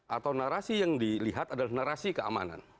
atau narasi yang dilihat adalah narasi keamanan